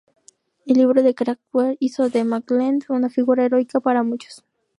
El libro de Krakauer hizo de McCandless una figura heroica para muchos.